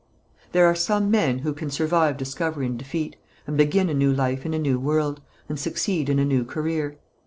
There are some men who can survive discovery and defeat, and begin a new life in a new world, and succeed in a new career.